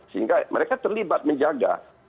sehingga mereka terlibat menjaga